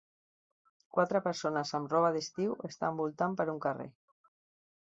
Quatre persones amb roba d'estiu estan voltant per un carrer.